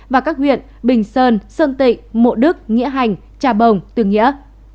và các huyện bình sơn sơn tịnh mộ đức nghĩa hành trà bồng tư nghĩa